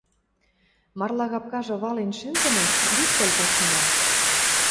Марлагапкажы вален шӹнзӹнӓт, лӱктӓл пачмыла.